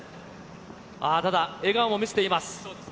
ああ、ただ、笑顔も見せています。